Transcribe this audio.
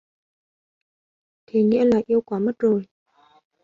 Thế nghĩa là yêu quá mất rồi